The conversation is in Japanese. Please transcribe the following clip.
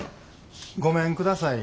ごめんください。